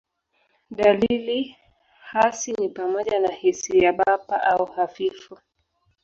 Dalili hasi ni pamoja na hisia bapa au hafifu.